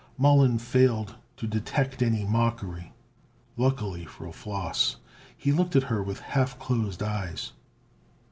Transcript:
Mollon failed to detect any mockery, luckily for Flos. He looked at her with half closed eyes.